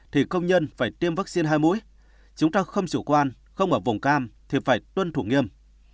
thì công nhân phải tiêm vaccine hai mũi chúng ta không chủ quan không ở vùng cam thì phải tuân thủ nghiêm